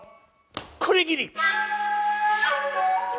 これぎり。